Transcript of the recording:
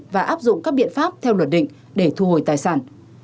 và áp dụng các biện pháp theo luật định để thu hồi tài sản